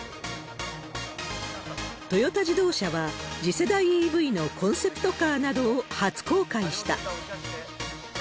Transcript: トヨタ自動車は、次世代ＥＶのコンセプトカーなどを初公開した。